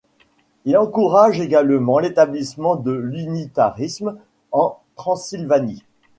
Il encourage également l’établissement de l’unitarisme en Transylvanie.